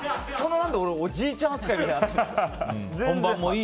何で俺おじいちゃん扱いみたいに。